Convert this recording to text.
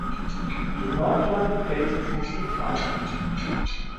Die Nordflanke fällt zum Sihltal ab.